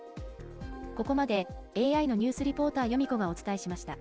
ここまで、ＡＩのニュースリポーター、ヨミ子がお伝えしました。